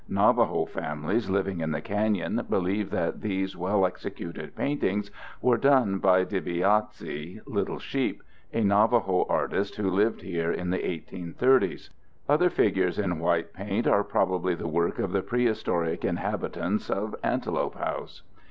Navajo families living in the canyon believe that these well executed paintings were done by Dibe Yazhi (Little Sheep), a Navajo artist who lived here in the 1830's. Other figures in white paint are probably the work of the prehistoric inhabitants of Antelope House.